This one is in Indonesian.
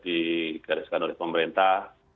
digariskan oleh pemerintah